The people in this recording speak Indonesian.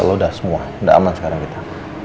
kita aman sekarang kita